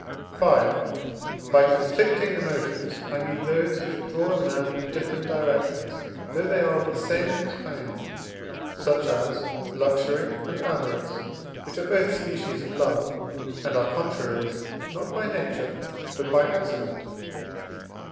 V. By conflicting emotions I mean those which draw a man in different directions, though they are of the same kind, such as luxury and avarice, which are both species of love, and are contraries, not by nature, but by accident.